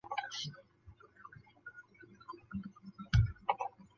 夜空通常是用来形容在夜晚看见的天空的一个专用术语。